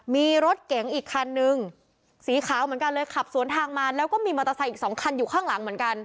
มีรถเก๋งอีกคันนึงสีขาวเหมือนกันเลยขับสวนทางมาแล้วก็มีมอเตอร์ไซค์อีกสองคันอยู่ข้างหลังเหมือนกัน